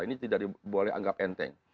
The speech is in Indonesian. ini tidak boleh anggap enteng